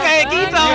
ternyata di ngutang